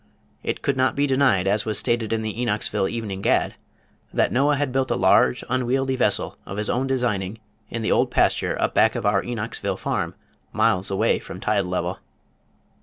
It could not be denied, as was stated in The Enochsville Evening Gad, that Noah had built a large, unwieldy vessel of his own designing in the old pasture up back of our Enochsville farm, miles away from tide level.